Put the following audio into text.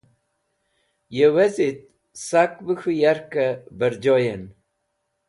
Ye wezit sak bẽ k̃hũ yarkẽ bẽrjoyen.